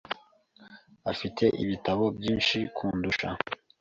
Afite ibitabo byinshi kundusha .